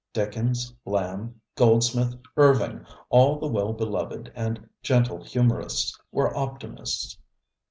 Dickens, Lamb, Goldsmith, Irving, all the well beloved and gentle humorists, were optimists.